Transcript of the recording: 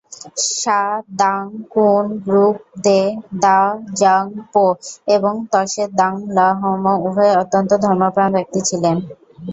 সা-দ্বাং-কুন-গ্রুব-ব্দে-দ্গা'-ব্জাং-পো এবং ত্শে-দ্বাং-ল্হা-মো উভয়েই অত্যন্ত ধর্মপ্রাণ ব্যক্তি ছিলেন।